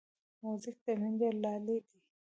موزیک د میندې لالې دی.